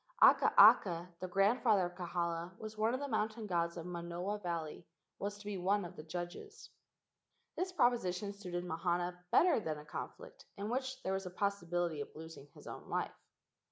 Akaaka, the grandfather of Kahala, one of the mountain gods of Manoa Valley, was to be one of the judges. HAWAIIAN GHOST TESTING 89 This proposition suited Mahana better than a conflict, in which there was a possibility of losing his own life.